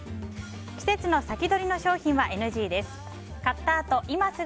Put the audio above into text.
季節の先取りの商品はＮＧです。